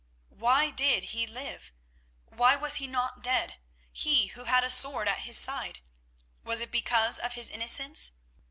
Why did he live? Why was he not dead, he who had a sword at his side? Was it because of his innocence?